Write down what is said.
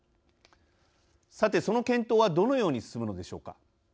さて、その検討はどのように進むのでしょうか。